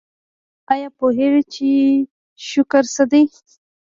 ایا پوهیږئ چې شکر څه دی؟